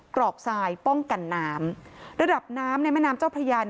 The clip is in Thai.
กรอกทรายป้องกันน้ำระดับน้ำในแม่น้ำเจ้าพระยา